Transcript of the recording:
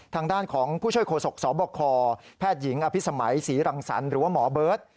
ทางด้านของผู้ช่วยโฆษกสบคแพทย์หญิงอภิษมัยศรีรังสรรค์หรือว่าหมอเบิร์ต